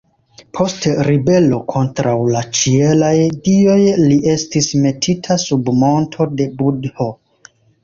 Post ribelo kontraŭ la ĉielaj dioj li estis metita sub monto de Budho.